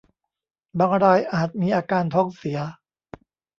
บางรายอาจมีอาการท้องเสีย